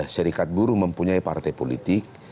serikat buruh mempunyai partai politik